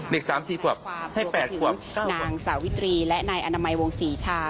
สามสี่ขวบให้๘ขวบนางสาวิตรีและนายอนามัยวงศรีชา